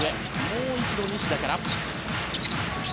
もう一度、西田から。